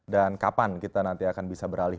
dan kapan kita nanti akan bisa beralih